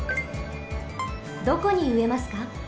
どこにうえますか？